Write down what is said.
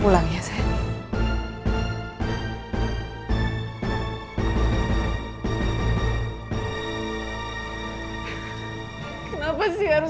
lagi internet sekarang